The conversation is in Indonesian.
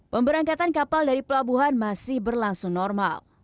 pemberangkatan kapal dari pelabuhan masih berlangsung normal